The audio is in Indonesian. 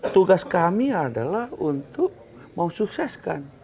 tugas kami adalah untuk mau sukseskan